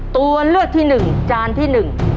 ตัวเลือกที่หนึ่งจานที่หนึ่ง